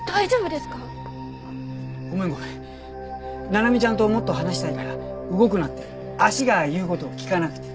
奈々美ちゃんともっと話したいから動くなって足が言う事を聞かなくて。